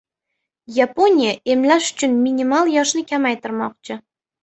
Yaponiya emlash uchun minimal yoshni kamaytirmoqchi